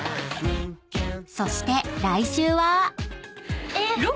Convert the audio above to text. ［そして来週は］